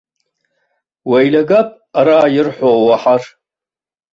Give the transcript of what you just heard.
Уеилагап ара ирҳәо уаҳар.